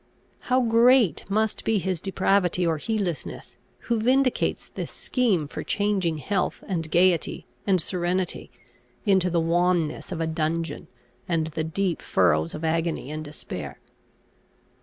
How great must be his depravity or heedlessness, who vindicates this scheme for changing health and gaiety and serenity, into the wanness of a dungeon, and the deep furrows of agony and despair!"